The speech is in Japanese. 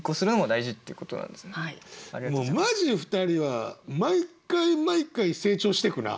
マジで２人は毎回毎回成長していくな。